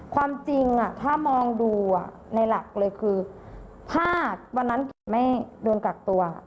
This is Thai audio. ความจริงถ้ามองดูในหลักเลยคือถ้าวันนั้นเกดไม่โดนกักตัว